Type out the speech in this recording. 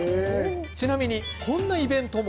ちなみに、こんなイベントも。